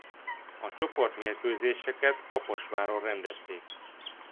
A csoportmérkőzéseket Kaposváron rendezték.